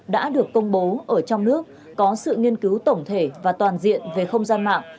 đã được công bố ở trong nước có sự nghiên cứu tổng thể và toàn diện về không gian mạng